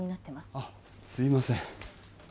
あっすいません